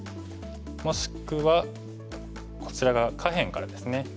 もしくはこちら側下辺からですね